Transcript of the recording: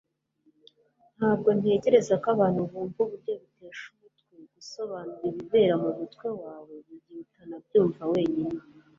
ntabwo ntekereza ko abantu bumva uburyo bitesha umutwe gusobanura ibibera mumutwe wawe mugihe utanabyumva wenyine